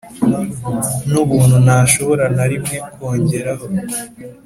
nubuntu ntashobora na rimwe kongeraho